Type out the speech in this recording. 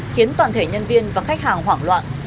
khiến toàn thể nhân viên và khách hàng hoảng loạn